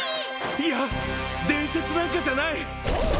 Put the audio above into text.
いや伝説なんかじゃない・